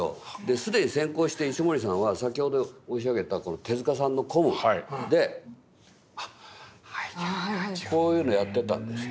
既に先行して石森さんは先ほど申し上げたこの手さんの「ＣＯＭ」でこういうのやってたんですよ。